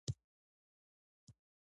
د ټولنې لوړې طبقې خپله برلاسي ساتي.